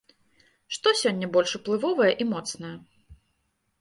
Што сёння больш уплывовае і моцнае?